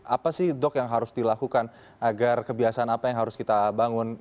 apa sih dok yang harus dilakukan agar kebiasaan apa yang harus kita bangun